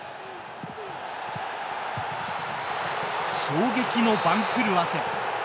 衝撃の番狂わせ。